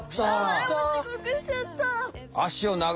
まるもちこくしちゃった！